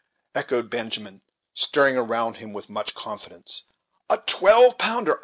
echoed Benjamin, staring around him with much confidence; "a twelve pounder!